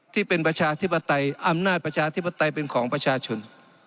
ประชาธิปไตยอำนาจประชาธิปไตยเป็นของประชาชน